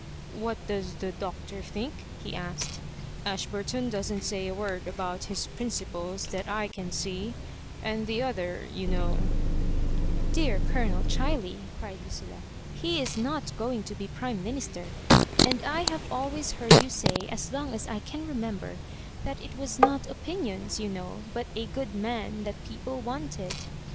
" What does the Doctor think ?" he asked. " Ashburton doesn't say a word about his principles that I can see ; and the other, you know "" Dear Colonel Chiley," cried Lucilla, " he is not going to be Prime Minister ; and I have al ways heard you say, as long as I can remember, that it was not opinions, you know, but a good man that people wanted.